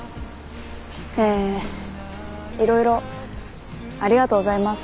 えいろいろありがとうございます。